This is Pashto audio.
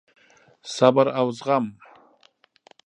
صبر او زغم: